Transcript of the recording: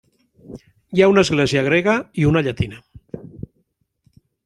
Hi ha una església grega i una llatina.